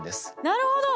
なるほど。